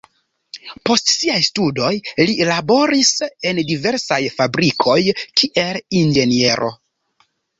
Post siaj studoj li laboris en diversaj fabrikoj kiel inĝeniero.